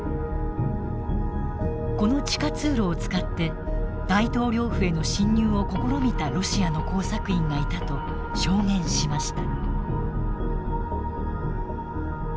この地下通路を使って大統領府への侵入を試みたロシアの工作員がいたと証言しました。